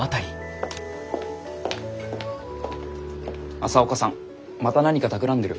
朝岡さんまた何かたくらんでる？